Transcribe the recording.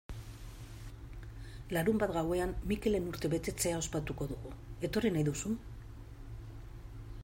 Larunbat gauean Mikelen urtebetetzea ospatuko dugu, etorri nahi duzu?